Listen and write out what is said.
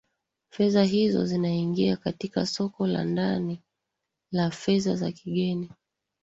fedha hizo zinaingia katika soko la ndani la fedha za kigeni